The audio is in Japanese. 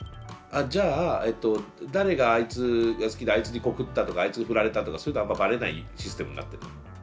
あじゃあ誰があいつが好きだあいつに告ったとかあいつに振られたとかそういうのはあんまバレないシステムになってるの？